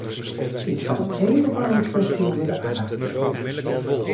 Ik zou één bepaalde kwestie onder de aandacht willen brengen.